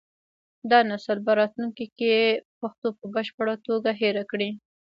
دا نسل به راتلونکي کې پښتو په بشپړه توګه هېره کړي.